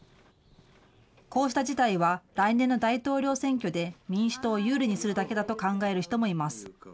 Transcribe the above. こうした事態は来年の大統領選挙で民主党を有利にするだけだと考える人もいます。